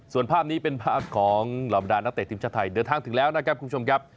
ส่วนภาพนี้เป็นภาพของเหล่าบรรดานักเตะทีมชาติไทยเดินทางถึงแล้วนะครับคุณผู้ชมครับ